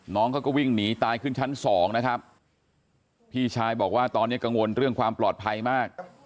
น้องเขาก็วิ่งหนีตายขึ้นชั้นสองนะครับพี่ชายบอกว่าตอนนี้กังวลเรื่องความปลอดภัยมาก